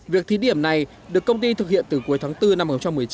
việc thí điểm này được công ty thực hiện từ cuối tháng bốn năm hai nghìn một mươi chín